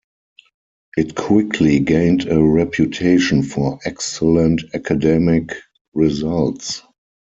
It quickly gained a reputation for excellent academic results.